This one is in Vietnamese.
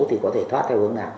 thì có thể thoát theo hướng nào